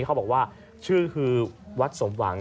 เขาบอกว่าชื่อคือวัดสมหวัง